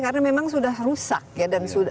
karena memang sudah rusak ya dan